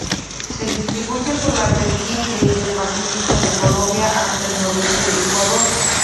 Se distribuye por la vertiente del Pacífico de Colombia hasta el noroeste de Ecuador.